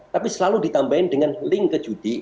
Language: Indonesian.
tapi selalu ditambahin dengan link ke judi